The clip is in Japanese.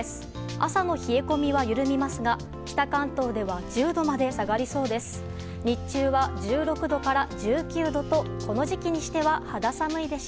朝の冷え込みは緩みますが北関東では１０度まで下がりそうです。